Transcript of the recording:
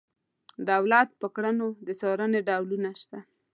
دولت په کړنو د څارنې ډولونه شته.